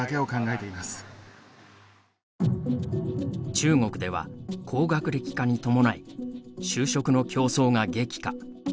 中国では高学歴化に伴い就職の競争が激化。